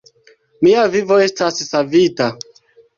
Mia vivo estas savita.